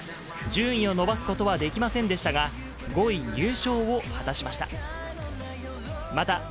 順位を伸ばすことはできませんでしたが、５位入賞を果たしました。